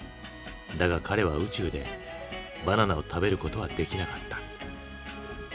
だが彼は宇宙でバナナを食べることはできなかった。